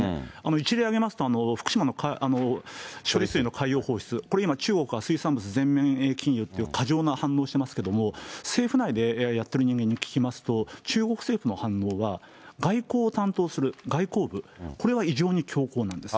一例挙げますと、福島の処理水の海洋放出、これ今、中国は水産物、全面禁輸という過剰な反応をしてますけども、政府内でやっている人間に聞きますと、中国政府の反応は、外交を担当する外交部、これは以上に強硬なんです。